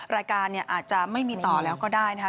รายการเนี่ยอาจจะไม่มีต่อแล้วก็ได้นะคะ